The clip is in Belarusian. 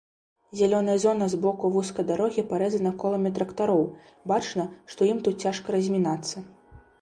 Зялёная зона збоку вузкай дарогі парэзана коламі трактароў, бачна, што ім тут цяжка размінацца.